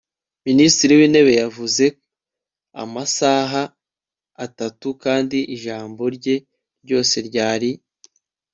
minisitiri w'intebe yavuze amasaha atatu kandi ijambo rye ryose ryari